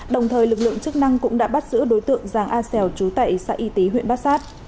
đồng thời lực lượng chức năng cũng đã bắt giữ đối tượng giàng a khoa chú tậy xã y tý huyện bát sát